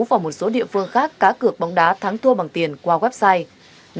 và một số địa phương khác cá cược bóng đá thắng thua bằng tiền qua website